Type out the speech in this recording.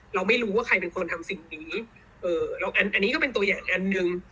เราไม่รู้ว่าใครเป็นคนทำสิ่งนี้อันนี้ก็เป็นตัวอย่างอันหนึ่ง